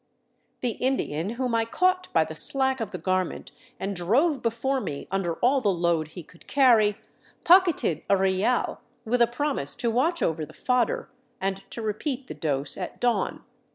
The Indian whom I caught by the slack of the garment and drove before me under all the load he could carry, pocketed a real with a promise to watch over the fodder, and to repeat the dose at dawn.